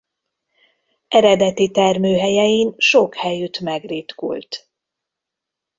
Eredeti termőhelyein sok helyütt megritkult.